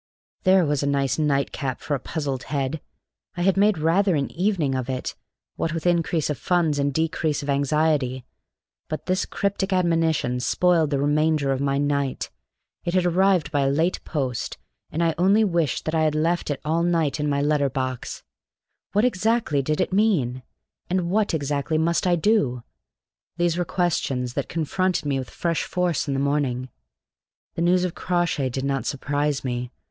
There was a nice nightcap for a puzzled head! I had made rather an evening of it, what with increase of funds and decrease of anxiety, but this cryptic admonition spoiled the remainder of my night. It had arrived by a late post, and I only wished that I had left it all night in my letter box. What exactly did it mean? And what exactly must I do? These were questions that confronted me with fresh force in the morning. The news of Crawshay did not surprise me.